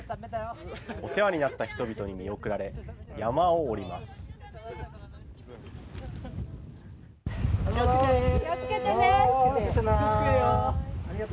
お世話になった人々に見送られ、気をつけてね。